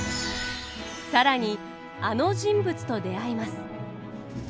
更にあの人物と出会います。